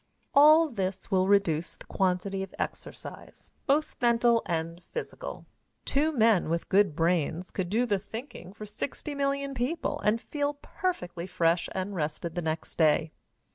All this will reduce the quantity of exercise, both mental and physical. Two men with good brains could do the thinking for 60,000,000 of people and feel perfectly fresh and rested the next day.